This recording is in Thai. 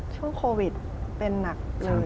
ช่วงโควิดเป็นหนักเลย